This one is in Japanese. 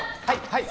はい